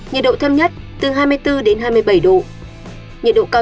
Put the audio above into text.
nhiệt độ thêm nhất từ hai mươi đến hai mươi ba độ